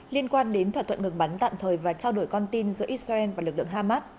liên quan đến thỏa thuận ngừng bắn tạm thời và trao đổi con tin giữa israel và lực lượng hamas